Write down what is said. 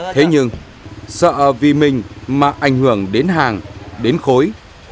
thế nhưng sợ vì mình mà ảnh hưởng đến hàng đến khối